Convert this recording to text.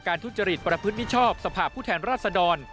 ทุจริตประพฤติมิชชอบสภาพผู้แทนราชดร